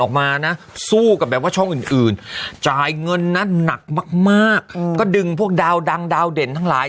ออกมานะสู้กับแบบว่าช่องอื่นจ่ายเงินนั้นหนักมากก็ดึงพวกดาวดังดาวเด่นทั้งหลาย